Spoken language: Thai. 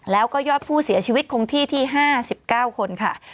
แล้วก็ยอดผู้เสียชีวิตคงที่ที่๕๙คนค่ะ